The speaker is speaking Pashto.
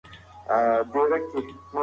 د پلوټو شاوخوا نیمه سپوږمۍ هم موجوده ده.